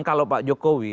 kalau pak jokowi